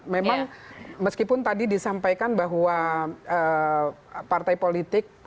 memang meskipun tadi disampaikan bahwa partai politik